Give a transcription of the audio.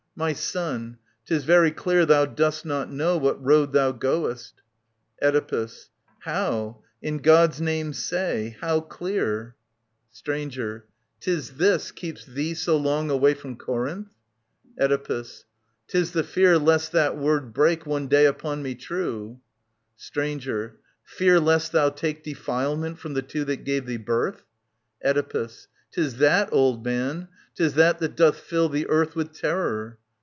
My son, 'tis very clear thou dost not know What road thou goest. Oedipus. How ? In God's name, say I How clear ? 57 SOPHOCLES w. ioia 1019 Stranger. *Tis this, keeps thee so long away From Corinth ? Oedipus, *Tis the fear lest that word break One day upon me true. Stranger. Fear lest thou take Defilement from the two that gave thee birth ? Oedipus. 'Tis that, old man, 'tis that doth fill the earth With terror.